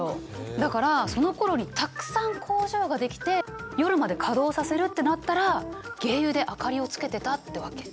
だからそのころにたくさん工場が出来て夜まで稼働させるってなったら鯨油で明かりをつけてたってわけ。